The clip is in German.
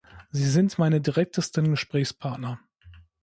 Sie sind meine direktesten Gesprächspartner.